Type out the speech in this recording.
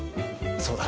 そうだ。